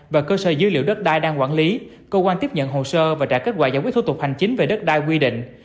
và cơ sở dữ liệu đất đai đang quản lý cơ quan tiếp nhận hồ sơ và trả kết quả giải quyết thủ tục hành chính về đất đai quy định